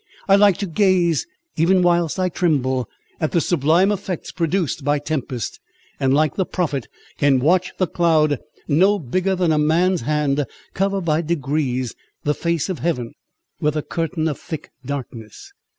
I like to gaze (even whilst I tremble) at the sublime effects produced by tempest; and, like the prophet, can watch the cloud, no bigger than a man's hand, cover by degrees the face of heaven, with a curtain of thick darkness."